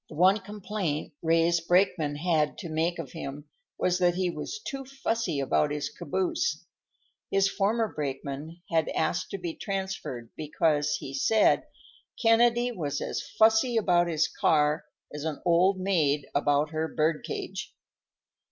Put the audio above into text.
The one complaint Ray's brakemen had to make of him was that he was too fussy about his caboose. His former brakeman had asked to be transferred because, he said, "Kennedy was as fussy about his car as an old maid about her bird cage."